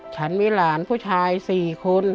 ฉันมีหลานผู้ชาย๔คน